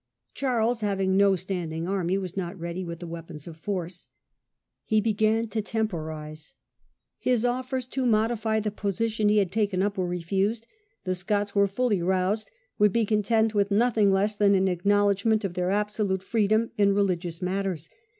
Charles, having no standing army, was not ready with the weapons of force : he began to temporize. His offers to modify the position he had taken up were what would refused; the Scots, now fully roused, would charics do? be content with nothing less than an acknowledgment of their absolute freedom in religious matters.